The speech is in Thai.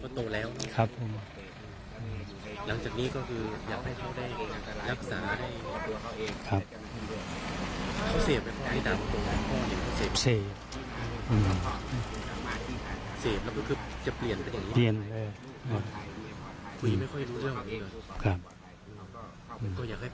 พ่อโตแล้วนะครับหลังจากนี้ก็คืออยากให้พ่อได้รักษาให้